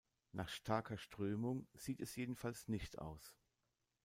Nach starker Strömung sieht es jedenfalls nicht aus.